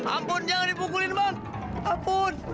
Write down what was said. ampun jangan dipukulin bang ampun